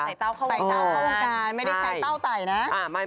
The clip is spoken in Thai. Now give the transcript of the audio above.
ใต้เต่าเข้าโมงการไม่ได้ใช้เต่าไต้นะ